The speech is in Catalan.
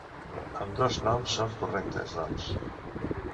Ambdós noms són correctes, doncs.